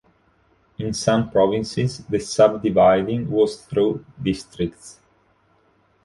In some provinces the sub-dividing was through "districts".